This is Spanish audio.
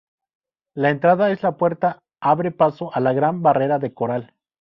La entrada es la puerta abre paso a la Gran Barrera de Coral.